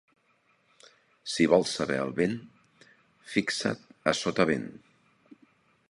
Si vols saber el vent, fixa't a sotavent.